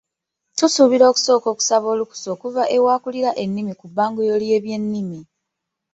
Tusuubira okusooka okusaba olukusa okuva ew'akulira ennimi ku bbanguliro ly'ebyennimi.